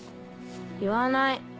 言わない。